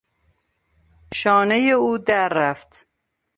شانهی او در رفت.